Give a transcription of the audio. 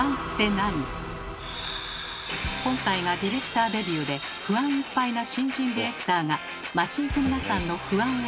今回がディレクターデビューで不安いっぱいな新人ディレクターが街行く皆さんの不安を尋ねました。